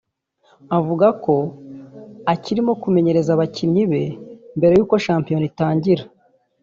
avuga ako akirimo kumenyereza abakinnyi be mbere y’uko shampiyona itangira